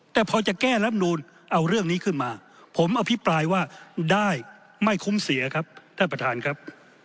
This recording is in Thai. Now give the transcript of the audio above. แต่พอจะแก้รับนูนเอาเรื่องนี้ขึ้นมาผมอภิปรายว่าได้ไม่คุ้มเสียครับท่านประธานครับ